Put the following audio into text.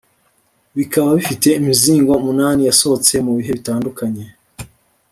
bbikaba bifite imizngo umunani yasohotse mu bihe bitandukanye